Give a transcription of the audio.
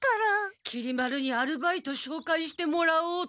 きり丸にアルバイトしょうかいしてもらおうと。